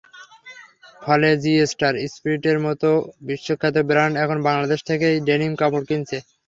ফলে জি-স্টার, স্পিরিটের মতো বিশ্বখ্যাত ব্র্যান্ড এখন বাংলাদেশ থেকেই ডেনিম কাপড় কিনছে।